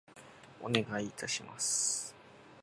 お願い致します。